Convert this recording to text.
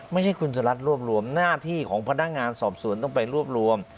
ไม่ใช่คุณสุรัสรวบรวมหน้าที่ของพนักงานสอบสวนต้องไปรวบรวม